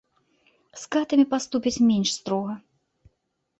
З катамі паступяць менш строга.